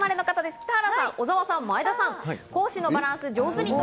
北原さん、小澤さん、前田さん。